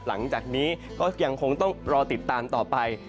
หลังจากนี้ก็ยังคงต้องรอติดตามต่อไป